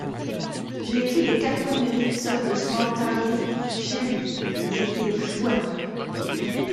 J’ai écrit les quatre premiers épisodes de Smartarded chez lui : c’était jouable.